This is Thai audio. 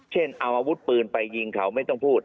เช่นเอาอาวุธปืนไปยิงเขาไม่ต้องพูด